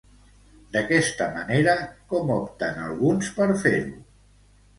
D'aquesta manera, com opten alguns per fer-ho?